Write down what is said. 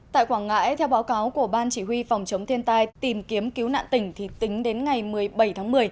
tại quảng ngãi theo báo cáo của ban chỉ huy phòng chống thiên tai tìm kiếm cứu nạn tỉnh thì tính đến ngày một mươi bảy tháng một mươi